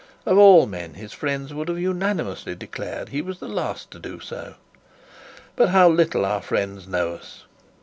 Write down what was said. Of all men, his friends would have unanimously declared he was the last to do so. But how little our friends know us!